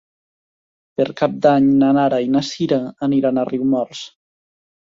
Per Cap d'Any na Nara i na Sira aniran a Riumors.